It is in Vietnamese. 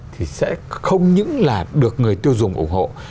thì sẽ không những là được người tiêu dùng ủng hộ